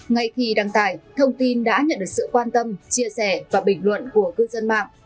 ngay khi đăng tải thông tin đã nhận được sự quan tâm chia sẻ và bình luận của các bạn